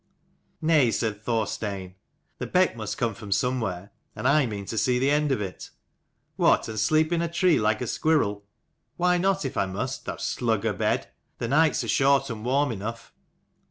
"Nay," said Thorstein, "the beck must come from somewhere, and I mean to see the end of it." "What, and sleep in a tree like a squirrel?" "Why not, if I must, thou slug a bed? The nights are short and warm enough."